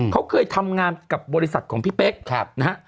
เขาเคยทำงานกับบริษัทของพี่เป๊กนะฮะ